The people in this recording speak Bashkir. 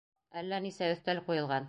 Әллә нисә өҫтәл ҡуйылған.